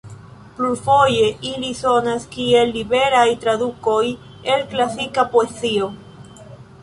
Plurfoje ili sonas kiel liberaj tradukoj el klasika poezio.